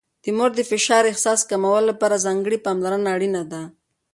د مور د فشار احساس کمولو لپاره ځانګړې پاملرنه اړینه ده.